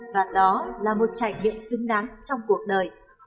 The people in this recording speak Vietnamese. và đó là một trải nghiệm xứng đáng trong cuộc đời